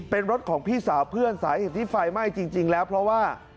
เป็นรถของพี่สาวเพื่อนสาเหตุที่ไฟไหม้จริงแล้วเพราะว่า